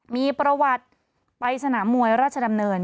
มีประวัติไปสนามมวยราชดำเนิน